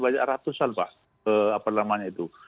banyak ratusan pak apa namanya itu